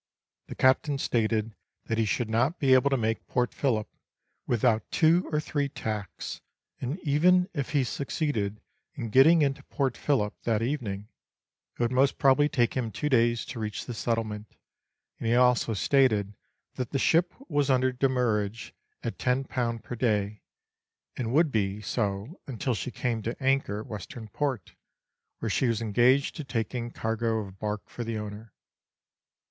The Captain stated that he should not be able to make Port Phillip without two or three 1 Member of the Association. 280 Letters from Victorian Pioneers. tacks, and even if he succeeded in getting into Port Phillip that evening, it would most probably take him two days to reach the settlement ; and he also stated that the ship was under demurrage at 10 per day, and would be so until she came to anchor at Western Port, where she was engaged to take in a cargo of bark for the owner.